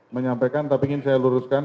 menyampaikan tapi ingin saya luruskan